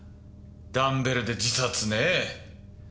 ダンベルで自殺ねぇ。